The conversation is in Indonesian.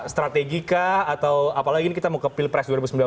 strategika atau apalagi ini kita mau ke pilpres dua ribu dua puluh